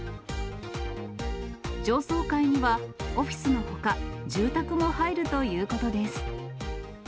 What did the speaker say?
上層階には、オフィスのほか、住宅も入るということです。